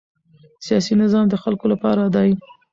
سیاسي نظام د خلکو لپاره دی